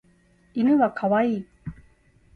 犬は可愛い。